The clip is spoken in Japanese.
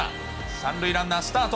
３塁ランナースタート。